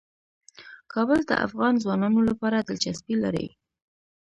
کابل د افغان ځوانانو لپاره دلچسپي لري.